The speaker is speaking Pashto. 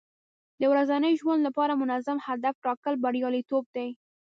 د ورځني ژوند لپاره منظم هدف ټاکل بریالیتوب دی.